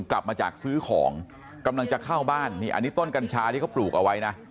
กลับมาจากซื้อของกำลังจะเข้าบ้านนี่อันนี้ต้นกัญชาที่เขาปลูกเอาไว้นะ